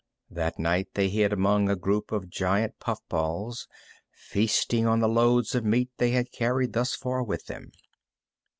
That night they hid among a group of giant puff balls, feasting on the loads of meat they had carried thus far with them.